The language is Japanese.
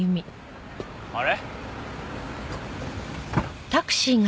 あれ？